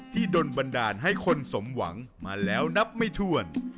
โดนบันดาลให้คนสมหวังมาแล้วนับไม่ถ้วน